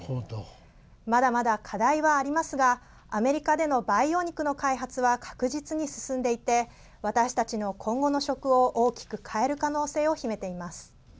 まだまだ課題はありますがアメリカでの培養肉の開発は、確実に進んでいて私たちの今後の食を大きく変える可能性を秘めています。